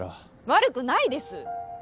悪くないです。